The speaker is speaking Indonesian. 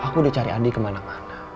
aku udah cari adik kemana mana